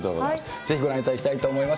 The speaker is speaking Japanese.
ぜひご覧いただきたいと思います。